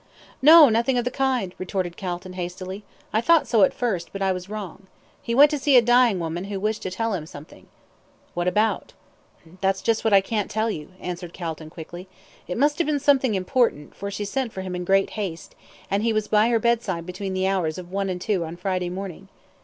"No, nothing of the kind," retorted Calton, hastily. "I thought so at first, but I was wrong. He went to see a dying woman, who wished to tell him something." "What about?" "That's just what I can't tell you," answered Calton quickly. "It must have been something important, for she sent for him in great haste and he was by her bedside between the hours of one and two on Friday morning."